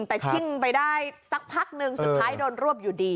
แต่ชิ่งไปได้สักพักนึงสุดท้ายโดนรวบอยู่ดี